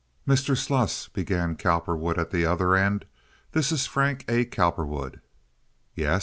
"Mr. Sluss," began Cowperwood, at the other end, "this is Frank A. Cowperwood." "Yes.